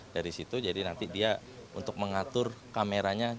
dari situ jadi nanti dia untuk mengatur kameranya